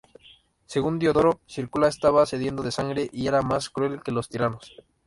Según Diodoro Sículo, estaba sediento de sangre y era más cruel que los tiranos.